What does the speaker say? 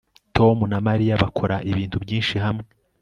Tom na Mariya bakora ibintu byinshi hamwe